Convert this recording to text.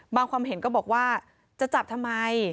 ความเห็นก็บอกว่าจะจับทำไม